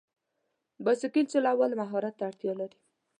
بایسکل چلول مهارت ته اړتیا لري.